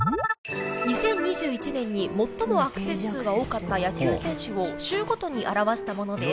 ２０２１年に最もアクセス数が多かった野球選手を州ごとに表したものです。